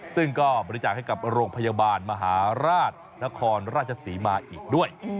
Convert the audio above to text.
ซึ่งก็บริจาคให้กับโรงพยาบาลมหาราชนครราชศรีมาอีกด้วย